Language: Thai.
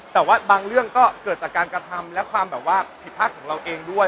แต่ว่าบางเรื่องก็เกิดจากการกระทำและความแบบว่าผิดพลาดของเราเองด้วย